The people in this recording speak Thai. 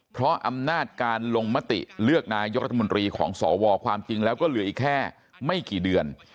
เพราะอำนาจการลงมติเลือกนายกรัฐมนตรีของสวความจริงแล้วก็เหลืออีกแค่ไม่กี่เดือน